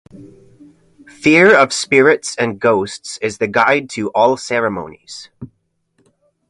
Fear of spirits and ghosts is the guide to all ceremonies.